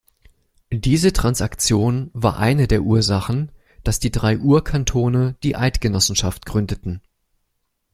Diese Transaktion war eine der Ursachen, dass die drei Urkantone die Eidgenossenschaft gründeten.